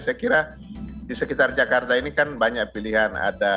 saya kira di sekitar jakarta ini kan banyak pilihan